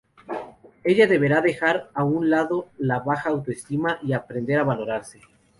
Ella deberá dejar a un lado la baja autoestima y aprender a valorarse.